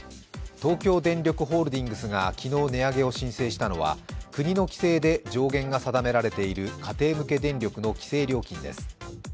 東京電力ホールディングスが昨日、値上げを申請したのは国の規制で上限が定められている家庭向け電力の規制料金です。